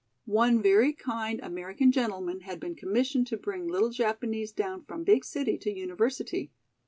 One very kind American gentleman had been commissioned to bring little Japanese down from big city to University.